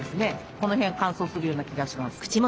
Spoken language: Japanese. この辺乾燥するような気がします。